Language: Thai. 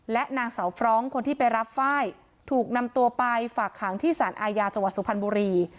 และนางสาวฟร้องคนที่ไปรับไฟล์ถูกนำตัวไปฝากขังที่สารอาญาจังหวัดสุพรรณบุรี